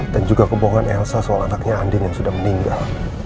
dan juga kebohongan elsa soal anaknya andin yang sudah meninggal